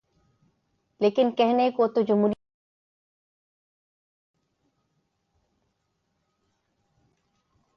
لیکن کہنے کو تو جمہوریت ہر ایک کیلئے یکساں ہے۔